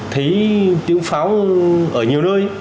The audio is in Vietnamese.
thấy tiếng pháo ở nhiều nơi